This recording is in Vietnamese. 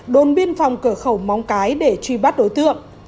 đồn biên phòng cửa khẩu móng cái để truy bắt đối tượng